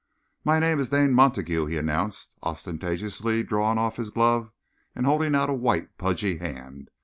"My name is Dane Montague," he announced, ostentatiously drawing off his glove and holding out a white, pudgy hand.